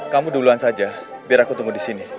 kamu duluan saja biar aku tunggu disini